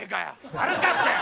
悪かったよ！